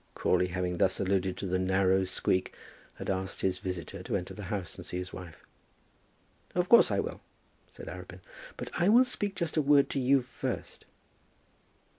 Crawley having thus alluded to the narrow squeak had asked his visitor to enter the house and see his wife. "Of course I will," said Arabin, "but I will speak just a word to you first."